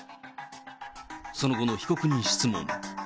その後の被告人質問。